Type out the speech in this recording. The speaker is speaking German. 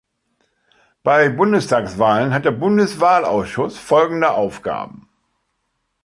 Bei Bundestagswahlen hat der Bundeswahlausschuss folgende Aufgaben.